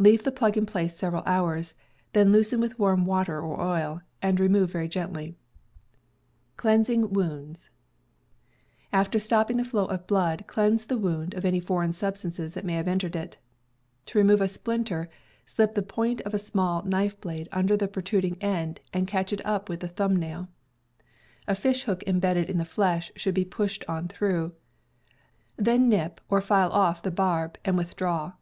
Leave the plug in place several hours; then loosen with warm water or oil, and remove very gently. After stopping the flow of blood, cleanse the wound of any foreign substances that may have entered it. Cleansinff '^^ remove a splinter, slip the point of Wounds ^ small knife blade under the protrud ing end and catch it with the thumb nail. A fish hook imbedded in the flesh should be pushed on through; then nip or file off the barb, and withdraw.